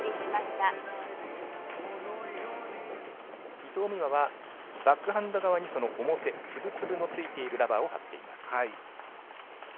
伊藤美誠はバックハンド側にその表粒々のついているラバーを貼っています。